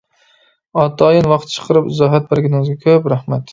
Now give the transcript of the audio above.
ئاتايىن ۋاقىت چىقىرىپ ئىزاھات بەرگىنىڭىزگە كۆپ رەھمەت.